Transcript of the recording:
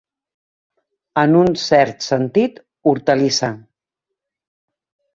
En un cert sentit, hortalissa.